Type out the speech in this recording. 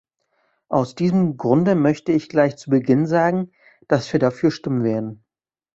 Aus diesem Grunde möchte ich gleich zu Beginn sagen, dass wir dafür stimmen werden.